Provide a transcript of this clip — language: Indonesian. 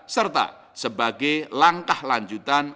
serta sebagai langkah lanjutan